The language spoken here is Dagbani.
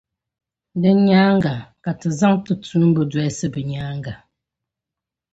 Din nyaaŋa, ka tizaŋ ti tuumba dolsi bɛ nyaaŋa.